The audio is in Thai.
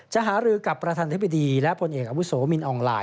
หารือกับประธานธิบดีและผลเอกอาวุโสมินอองไลน